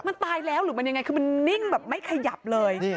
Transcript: มันตายแล้วหรือมันยังไงคือมันนิ่งแบบไม่ขยับเลย